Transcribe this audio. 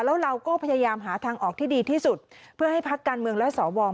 แล้วเราก็พยายามหาทางออกที่ดีที่สุดเพื่อให้พักการเมืองและสว